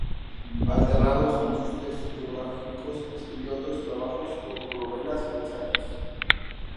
Alternados con sus textos biográficos, escribió otros trabajos, como novelas o ensayos.